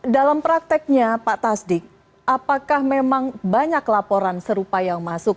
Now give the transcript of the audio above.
dalam prakteknya pak tasdik apakah memang banyak laporan serupa yang masuk